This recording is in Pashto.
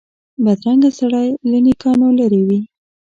بدرنګه سړی له نېکانو لرې وي